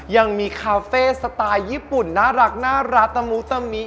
ยังมีคาเฟ่สไตล์ญี่ปุ่นน่ารักตะมุตะมิ